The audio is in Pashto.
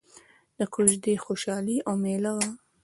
د کوژدې خوشحالي او ميله وه.